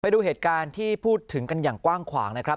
ดูเหตุการณ์ที่พูดถึงกันอย่างกว้างขวางนะครับ